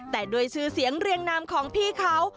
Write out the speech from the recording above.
แต่ด้วยชื่อเสียงเรียงนามของพี่เขา